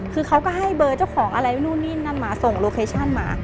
คือเขาก็ให้เบอร์เจ้าของอะไรนู่นนี่นั่นมาส่งโลเคชั่นมา